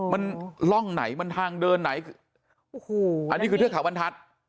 มันร่องไหนมันทางเดินไหนโอ้โหอันนี้คือเทือกเขาบรรทัศน์